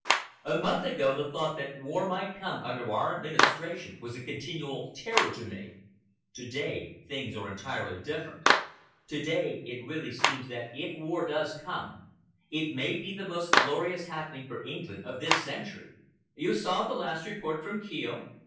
A month ago, the thought that war might come under our administration was a continual terror to me. To day things are entirely different. To day it really seems that if war does come, it may be the most glorious happening for England of this century. You saw the last report from Kiel?"